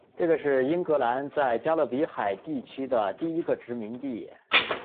这个是英格兰在加勒比海地区的第一个殖民地。